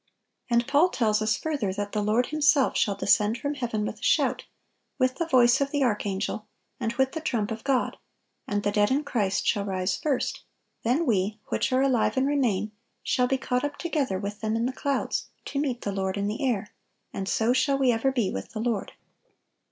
(970) And Paul tells us, further, that "the Lord Himself shall descend from heaven with a shout, with the voice of the Archangel, and with the trump of God: and the dead in Christ shall rise first: then we which are alive and remain shall be caught up together with them in the clouds, to meet the Lord in the air: and so shall we ever be with the Lord."